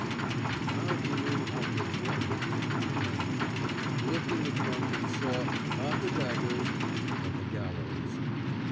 And now he knew how he had blundered in keeping them. He looked in the trunk and saw, not the daggers, but the gallows!